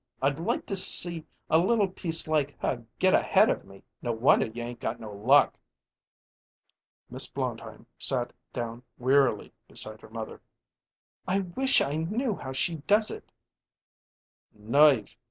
I'd like to see a little piece like her get ahead of me. No wonder you ain't got no luck!" Miss Blondheim sat down wearily beside her mother. "I wish I knew how she does it." "Nerve!